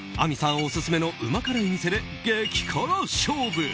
オススメのうま辛い店で激辛勝負。